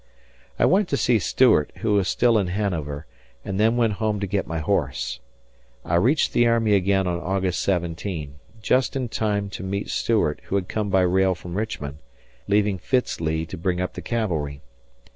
I went to see Stuart, who was still in Hanover, and then went home to get my horse. I reached the army again on August 17, just in time to meet Stuart who had come by rail from Richmond, leaving Fitz Lee to bring up the cavalry.